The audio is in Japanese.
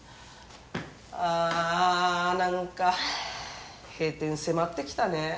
ああなんか閉店迫ってきたねぇ。